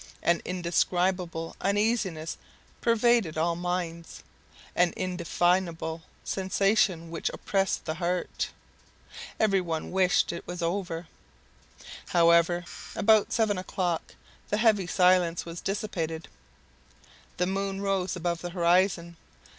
An indescribable uneasiness pervaded all minds, an indefinable sensation which oppressed the heart. Every one wished it was over. However, about seven o'clock, the heavy silence was dissipated. The moon rose above the horizon.